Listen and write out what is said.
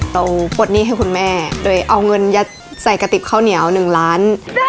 ปลดหนี้ให้คุณแม่โดยเอาเงินยัดใส่กระติบข้าวเหนียว๑ล้าน